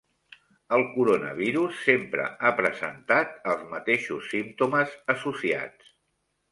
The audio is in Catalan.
El coronavirus sempre ha presentat els mateixos símptomes associats